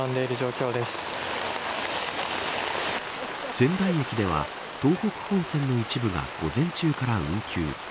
仙台駅では東北本線の一部が午前中から運休。